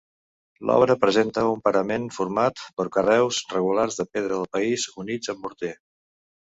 L'obra presenta un parament format per carreus regulars de pedra del país, units amb morter.